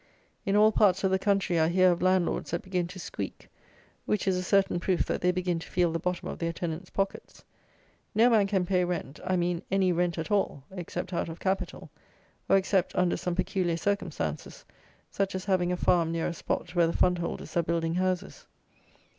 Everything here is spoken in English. In all parts of the country, I hear of landlords that begin to squeak, which is a certain proof that they begin to feel the bottom of their tenants' pockets. No man can pay rent; I mean any rent at all, except out of capital; or, except under some peculiar circumstances, such as having a farm near a spot where the fundholders are building houses.